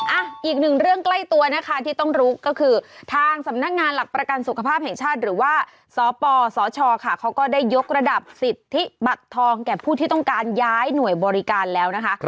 อ่ะอีกหนึ่งเรื่องใกล้ตัวนะคะที่ต้องรู้ก็คือทางสำนักงานหลักประกันสุขภาพแห่งชาติหรือว่าสปสชค่ะเขาก็ได้ยกระดับสิทธิบัตรทองแก่ผู้ที่ต้องการย้ายหน่วยบริการแล้วนะคะ